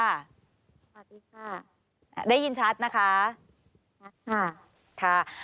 สวัสดีค่ะ